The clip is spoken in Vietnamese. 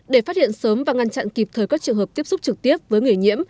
để phát hiện sớm và ngăn chặn kịp thời các trường hợp tiếp xúc trực tiếp với người nhiễm